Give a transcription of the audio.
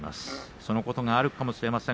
そのことがあるかもしれません。